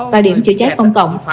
và điểm chữa cháy công cộng